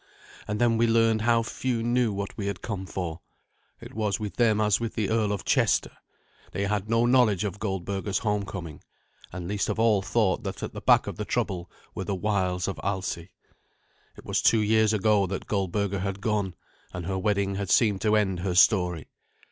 And then we learned how few knew what we had come for. It was with them as with the Earl of Chester. They had no knowledge of Goldberga's homecoming, and least of all thought that at the back of the trouble were the wiles of Alsi. It was two years ago that Goldberga had gone, and her wedding had seemed to end her story.